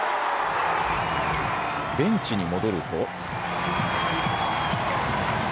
ベンチに戻ると。